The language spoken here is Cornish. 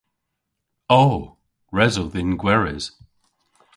O! Res o dhyn gweres.